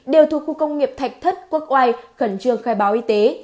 đều thuộc khu công nghiệp thạch thất quốc oai khẩn trương khai báo y tế